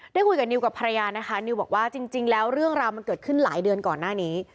ได้คุยกับนิวกับภรรยานะคะนิวบอกว่าจริงแล้วเรื่องราวมันเกิดขึ้นหลายเดือนก่อนหน้านี้